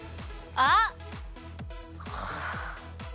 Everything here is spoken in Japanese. あっ！